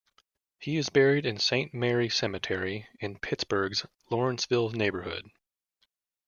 He is buried in Saint Mary Cemetery in Pittsburgh's Lawrenceville neighborhood.